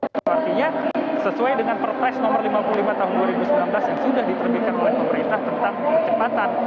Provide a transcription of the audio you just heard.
jadi sesuai dengan perpres nomor lima puluh lima tahun dua ribu sembilan belas yang sudah diterbitkan oleh pemerintah tentang kecepatan